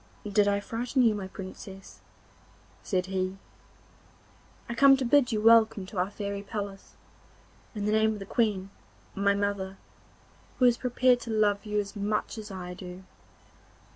'Did I frighten you, my Princess?' said he. 'I come to bid you welcome to our fairy palace, in the name of the Queen, my mother, who is prepared to love you as much as I do.